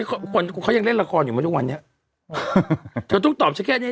คนเขายังเล่นละครอยู่ไหมทุกวันนี้เธอต้องตอบฉันแค่เนี้ย